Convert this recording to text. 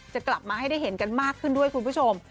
จะกลับมาให้ได้เห็นกันมากขึ้นด้วยคุณผู้ชม